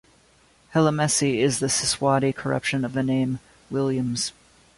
Helemesi is the SiSwati corruption of the name Williams.